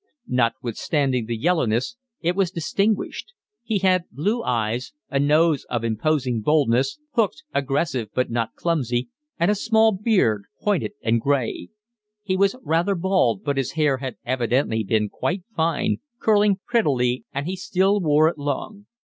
Notwithstanding the yellowness it was distinguished; he had blue eyes, a nose of an imposing boldness, hooked, aggressive but not clumsy, and a small beard, pointed and gray: he was rather bald, but his hair had evidently been quite fine, curling prettily, and he still wore it long.